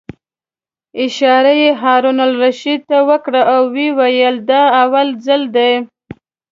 اشاره یې هارون الرشید ته وکړه او ویې ویل: دا اول ځل دی.